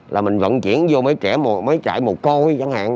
là mình vận chuyển vô mấy trại mùa coi chẳng hạn